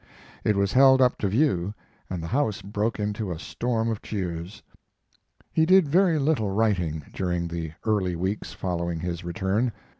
It was held up to view, and the house broke into a storm of cheers. He did very little writing during the early weeks following his return.